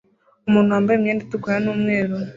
Umuntu wambaye imyenda itukura numweru